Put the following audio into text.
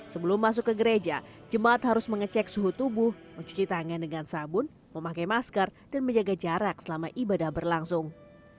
sebelum masuk ke gereja jemaat harus mengecek suhu tubuh mencuci tangan dengan sabun memakai masker dan menjaga jarak selama ibadah berlangsung